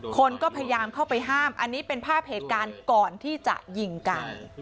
คนก็พยายามเข้าไปห้ามอันนี้เป็นภาพเหตุการณ์ก่อนที่จะยิงกัน